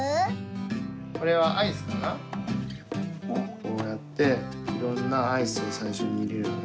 こうやっていろんなアイスをさいしょにいれるのね